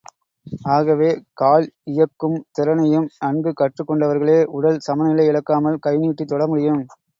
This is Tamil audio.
ஆகவே, கால் இயக்கும் திறனையும் நன்கு கற்றுக் கொண்டவர்களே, உடல் சமநிலை இழக்காமல் கைநீட்டித் தொட முடியும்.